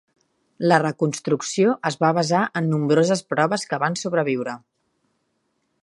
La reconstrucció es va basar en nombroses proves que van sobreviure.